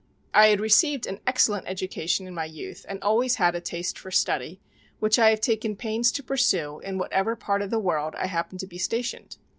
I had received an excellent education in my youth and always had a taste for study, which I have taken pains to pursue in whatever part of the world I happened to be stationed.